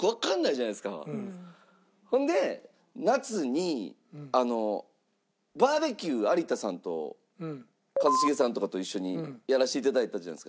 ほんで夏にバーベキュー有田さんと一茂さんとかと一緒にやらせて頂いたじゃないですか。